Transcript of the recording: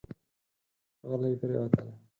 غلي پرېوتل.